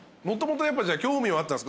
もともとやっぱじゃあ。